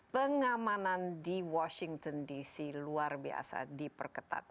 pengamanan di washington dc luar biasa diperketat